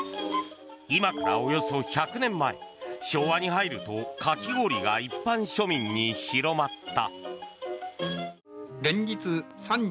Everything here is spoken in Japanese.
今からおよそ１００年前昭和に入るとかき氷が一般庶民に広まった。